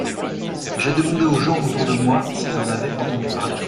J’ai demandé aux gens autour de moi s’ils en avaient entendu parler.